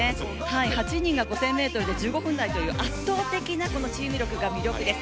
８人が５０００メートルで１５分台という圧倒的なチーム力が魅力です。